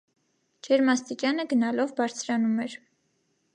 Ջերմաստիճանը գնալով բարձրանում էր։